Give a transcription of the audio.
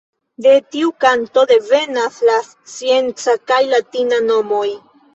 De tiu kanto devenas la scienca kaj latina nomoj.